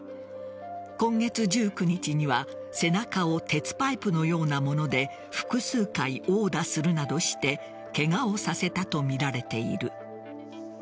今月１９日には背中を鉄パイプのようなもので複数回殴打するなどしてケガをさせたとみられている。